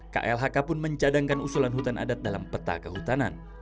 klhk pun mencadangkan usulan hutan adat dalam peta kehutanan